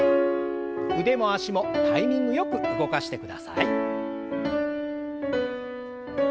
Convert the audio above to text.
腕も脚もタイミングよく動かしてください。